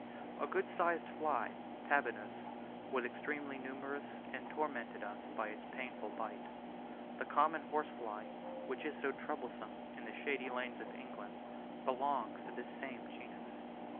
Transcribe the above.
A good sized fly (Tabanus) was extremely numerous, and tormented us by its painful bite. The common horsefly, which is so troublesome in the shady lanes of England, belongs to this same genus.